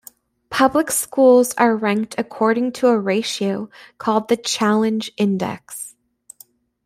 Public schools are ranked according to a ratio called the Challenge Index.